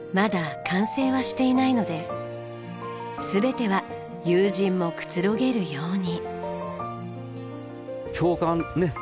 全ては友人もくつろげるように。